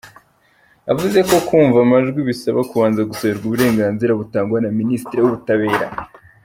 Yavuze ko kumva amajwi bisaba kubanza gusabirwa uburenganzira butangwa na ministre w’ubutabera.